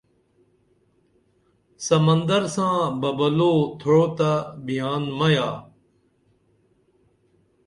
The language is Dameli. سمندر ساں ببلو تھوع تہ بیان مہ یا